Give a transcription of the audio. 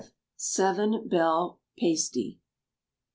Seven Bell Pasty.